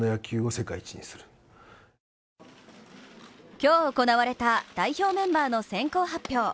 今日行われた代表メンバーの先行発表。